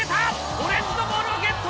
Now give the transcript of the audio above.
オレンジのボールをゲット！